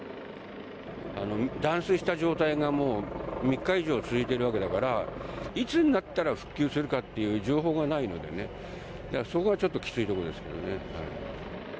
断水した状態が、もう３日以上、続いているわけだから、いつになったら復旧するかっていう情報がないのでね、だからそこがちょっときついところですけどね。